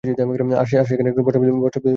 তারা সেখানে একজন বস্ত্রাবৃত লোককে দেখতে পান।